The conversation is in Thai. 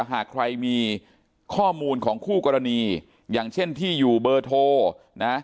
หากใครมีข้อมูลของคู่กรณีอย่างเช่นที่อยู่เบอร์โทรนะ